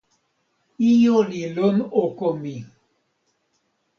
ijo li lon oko mi.